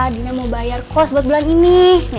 adina mau bayar kos buat bulan ini